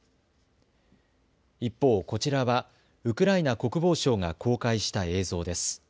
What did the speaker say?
一方、こちらはウクライナ国防省が公開した映像です。